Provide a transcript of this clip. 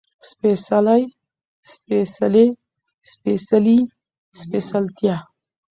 سپېڅلی، سپېڅلې، سپېڅلي، سپېڅلتيا